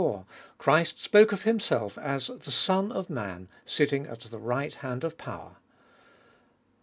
64) Christ spoke of Himself as " the Son of Man, sitting at the right hand of power."